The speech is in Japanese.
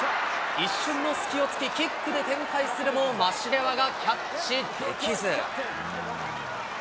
一瞬の隙をつき、キックで展開するも、マシレワがキャッチできず。